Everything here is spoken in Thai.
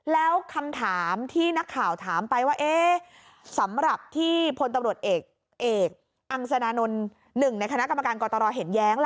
แล้วคำถามที่นักข่าวถามไปว่าเอ๊ะสำหรับที่พลตำรวจเอกอังสนานนท์๑ในคณะกรรมการกตรเห็นแย้งล่ะ